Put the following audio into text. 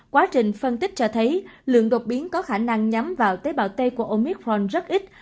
quá trình phân tích cho thấy lượng đột biến có khả năng nhắm vào tế bào tây của omitron rất ít